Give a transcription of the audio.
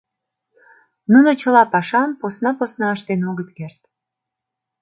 Нуно чыла пашам посна-посна ыштен огыт керт.